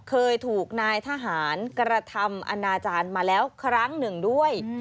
เคยถูกนายทหารกระทำอนาจารย์มาแล้วครั้งหนึ่งด้วย